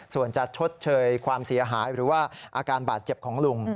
ส่วนจะชดเชยความเสียหายหรือว่าอาการบาดเจ็บของลุง